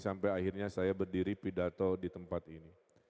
sampai akhirnya saya berdiri pidato di tempat ini